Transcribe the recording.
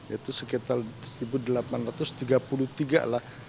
itu sekitar seribu delapan ratus tiga puluh tiga lah